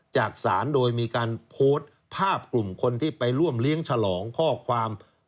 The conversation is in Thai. จากศาลโดยมีการโพสต์ภาพกลุ่มคนที่ไปร่วมเลี้ยงฉลองข้อความ